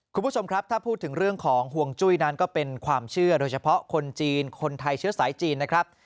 คุณผู้ชมครับถ้าพูดถึงเรื่องของห่วงจุ้ยนั้นก็เป็นความเชื่อโดยเฉพาะคนจีนคนไทยเชื้อสายจีนนะครับ